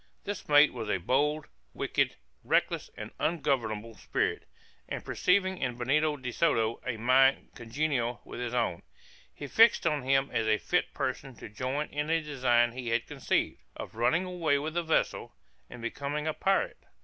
This mate was a bold, wicked, reckless and ungovernable spirit, and perceiving in Benito de Soto a mind congenial with his own, he fixed on him as a fit person to join in a design he had conceived, of running away with the vessel, and becoming a pirate.